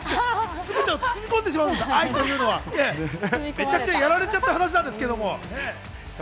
包み込んでしまうんですよ、愛というのは、めちゃくちゃやられちゃった話なんですけれども。